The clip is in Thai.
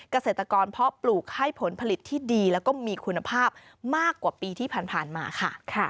เกษตรกรเพาะปลูกให้ผลผลิตที่ดีแล้วก็มีคุณภาพมากกว่าปีที่ผ่านมาค่ะ